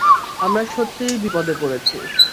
আমরা সত্যিই বিপদে পড়েছি।